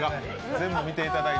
全部見ていただいて。